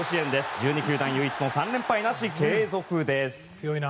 １２球団唯一の３連敗なし継続です。